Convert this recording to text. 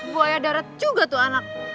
buaya darat juga tuh anak